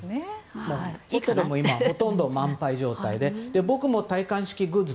ホテルも今、ほとんど満杯状態で僕も戴冠式グッズ